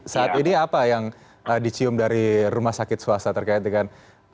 saat ini apa yang dicium dari rumah sakit swasta terkait dengan